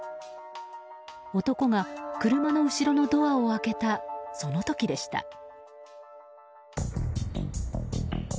男が車の後ろのドアを開けたその時でした。